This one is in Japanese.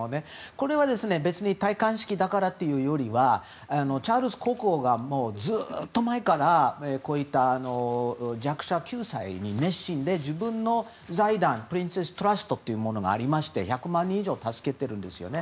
これは、別に戴冠式だからというよりはチャールズ国王がずっと前からこういった弱者救済に熱心で、自分の財団トラストというものがありまして１００万人以上を助けているんですね。